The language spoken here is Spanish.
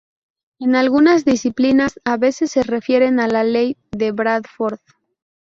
En algunas disciplinas a veces se refieren a la ley de Bradford.